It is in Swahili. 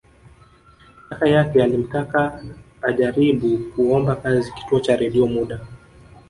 Kaka yake alimtaka ajaribu kuomba kazi Kituo cha Redio muda